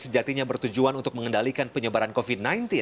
sejatinya bertujuan untuk mengendalikan penyebaran covid sembilan belas